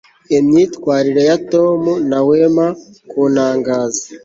imyitwarire ya tom ntahwema kuntangaza